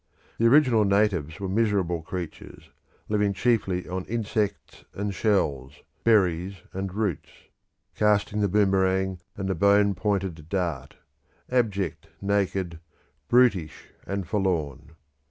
The original natives were miserable creatures, living chiefly on insects and shells, berries and roots; casting the boomerang and the bone pointed dart; abject, naked, brutish, and forlorn.